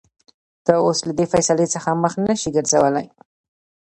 ته اوس له دې فېصلې څخه مخ نشې ګرځولى.